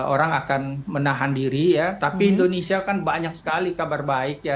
orang akan menahan diri ya tapi indonesia kan banyak sekali kabar baik ya